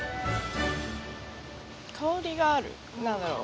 香りがあるなんだろう。